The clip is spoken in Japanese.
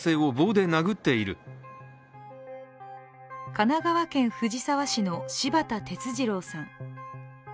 神奈川県藤沢市の柴田哲二郎さん。